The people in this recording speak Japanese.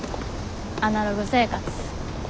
アナログ生活。